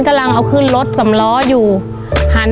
โปรดติดตามต่อไป